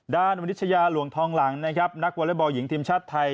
ด้านวันนิชยาหลวงท้องหลังนักวอเลอร์บอลหญิงทีมชาติไทย